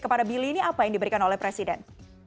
kepada billy ini apa yang diberikan oleh presiden